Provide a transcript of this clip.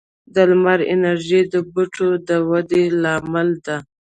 د لمر انرژي د بوټو د ودې لامل ده.